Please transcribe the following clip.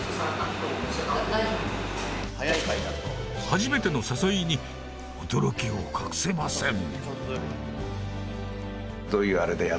初めての誘いに驚きを隠せません